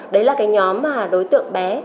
đấy là cái nhóm mà đối tượng bé